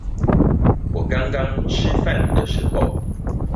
我剛剛吃飯的時候